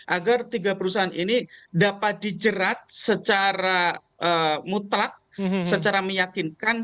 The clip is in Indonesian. agar tiga perusahaan ini dapat dijerat secara mutlak secara meyakinkan